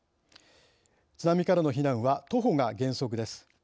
津波からの避難は徒歩が原則です。